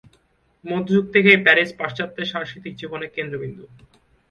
মধ্যযুগ থেকেই প্যারিস পাশ্চাত্যের সাংস্কৃতিক জীবনের কেন্দ্রবিন্দু।